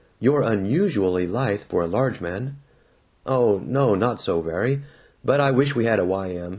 You're unusually lithe, for a large man." "Oh no, not so very. But I wish we had a Y. M.